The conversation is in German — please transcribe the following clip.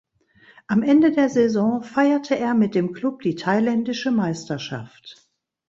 Am Ende der Saison feierte er mit dem Club die thailändische Meisterschaft.